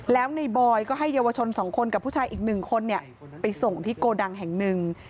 แล้วในบอยก็ให้เยาวชน๒คนกับผู้ชายอีก๑คนไปส่งที่โกดังแห่งหนึ่ง